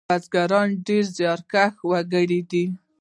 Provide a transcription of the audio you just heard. بزگران ډېر زیارکښ وگړي دي.